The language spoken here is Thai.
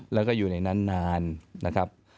แล้วก็อยู่ในนั้นนานนะครับ